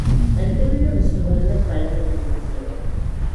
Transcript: n dimnim’ suhuri ni paligi n lubu zuɣu.